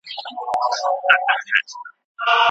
ښوونکي وویل چې ځان پېژندنه ډېره مهمه ده.